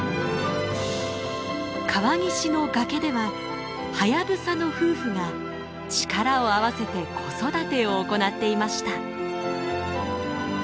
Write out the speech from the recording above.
川岸の崖ではハヤブサの夫婦が力を合わせて子育てを行っていました。